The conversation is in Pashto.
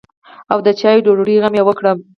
او د چايو او ډوډۍ غم يې وکړم.